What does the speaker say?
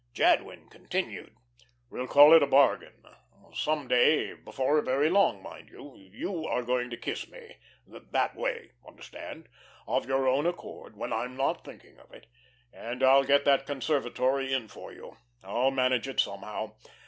Jadwin continued: "We'll call it a bargain. Some day before very long, mind you you are going to kiss me that way, understand, of your own accord, when I'm not thinking of it; and I'll get that conservatory in for you. I'll manage it somehow.